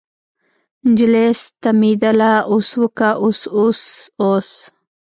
نجلۍ ستمېدله اوس وکه اوس اوس اوس.